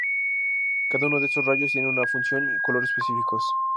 Cada uno de estos rayos tiene una función y color específicos.